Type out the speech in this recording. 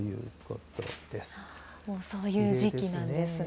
もうそういう時期なんですね。